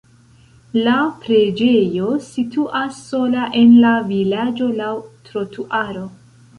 La preĝejo situas sola en la vilaĝo laŭ trotuaro.